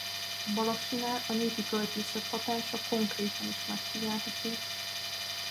Balassinál a népi költészet hatása konkrétan is megfigyelhető.